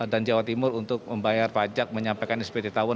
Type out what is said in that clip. dan jawa timur untuk membayar pajak menyampaikan spt tahunan